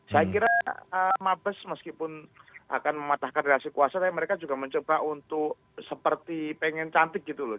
saya kira mabes meskipun akan mematahkan relasi kuasa tapi mereka juga mencoba untuk seperti pengen cantik gitu loh